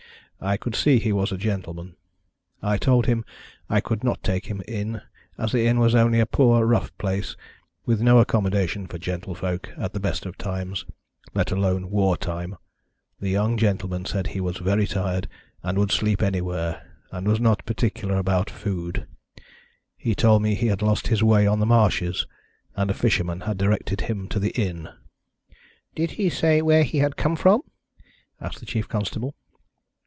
I could see he was a gentleman. I told him I could not take him in, as the inn was only a poor rough place, with no accommodation for gentlefolk at the best of times, let alone war time. The young gentleman said he was very tired and would sleep anywhere, and was not particular about food. He told me he had lost his way on the marshes, and a fisherman had directed him to the inn." "Did he say where he had come from?" asked the chief constable.